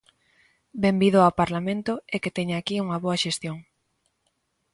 Benvido ao Parlamento e que teña aquí unha boa xestión.